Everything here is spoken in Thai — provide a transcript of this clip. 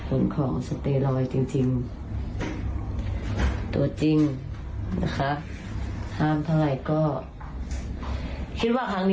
โอ้โหเห็นไหม